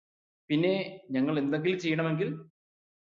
പിന്നെ ഞങ്ങൾ എന്തെങ്കിലും ചെയ്യണമെങ്കിൽ